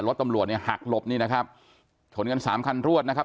รถตำรวจเนี่ยหักหลบนี่นะครับชนกันสามคันรวดนะครับ